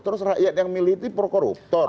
terus rakyat yang milih itu pro koruptor